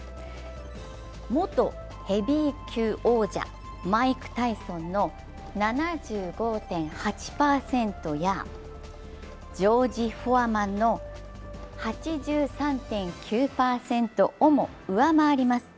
元ヘビー級王者、マイク・タイソンの７５．８％やジョージ・フォアマンの８３．９％も上回ります。